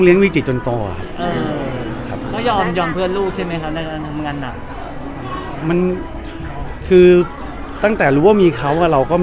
เราไม่เหนื่อยเกินไปใช่ไหมครับพี่หนุ่ม